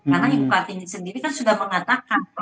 karena ibu kartini sendiri kan sudah mengatakan